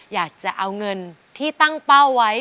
อยากจะเอาเงินที่ตั้งเป้าไว้